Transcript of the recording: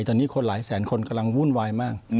ตอนนี้คนหลายแสนคนกำลังวุ่นวายมาก